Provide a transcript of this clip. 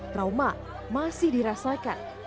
trauma masih dirasakan